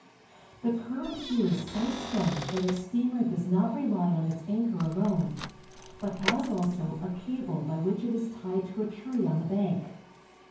The current here is so strong that our steamer does not rely on its anchor alone, but has also a cable by which it is tied to a tree on the bank.